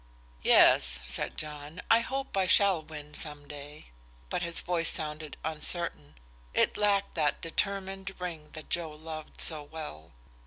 "Yes," said John, "I hope I shall win some day." But his voice sounded uncertain; it lacked that determined ring that Joe loved so well.